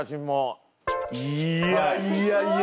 いやいやいや。